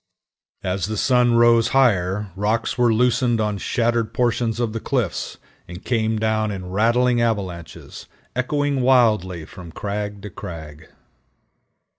As the sun rose higher rocks were loosened on shattered portions of the cliffs, and came down in rattling avalanches, echoing wildly from crag to crag.